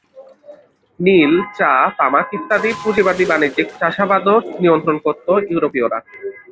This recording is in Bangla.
নীল, চা, তামাক ইত্যাদির পুঁজিবাদী বাণিজ্যিক চাষাবাদও নিয়ন্ত্রণ করত ইউরোপীয়রা।